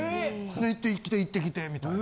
「行ってきて行ってきて」みたいな。